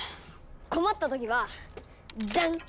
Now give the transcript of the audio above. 困った時はじゃん！